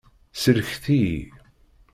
Sellket-iyi!